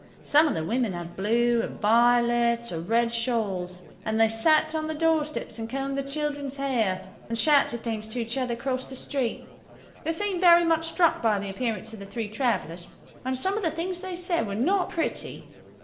Some of the women had blue, or violet or red shawls, and they sat on the doorsteps and combed their children's hair, and shouted things to each other across the street. They seemed very much struck by the appearance of the three travellers, and some of the things they said were not pretty.